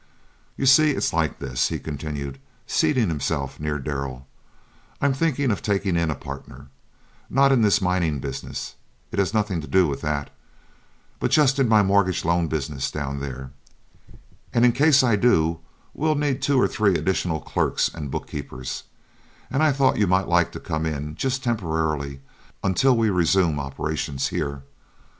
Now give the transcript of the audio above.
You see, it's like this," he continued, seating himself near Darrell; "I'm thinking of taking in a partner not in this mining business, it has nothing to do with that, but just in my mortgage loan business down there; and in case I do, we'll need two or three additional clerks and book keepers, and I thought you might like to come in just temporarily until we resume operations here.